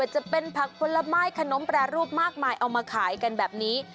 จะเป็นผักผลไม้ขนมแปรรูปมากมายเอามาขายกันแบบนี้